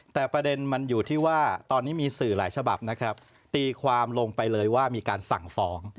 แต่ประเด็นมันอยู่ที่ว่าตอนนี้มีสื่อหลายฉบับนะครับตีความลงไปเลยว่ามีการสั่งฟ้อง